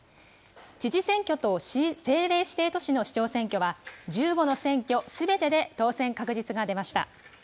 知事選挙と政令指定都市の市長選挙は、１５の選挙すべてで当選確実が出ました。